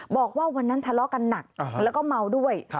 บอกว่าวันนั้นทะเลาะกันหนักแล้วก็เมาด้วย